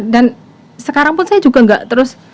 dan sekarang pun saya juga nggak terus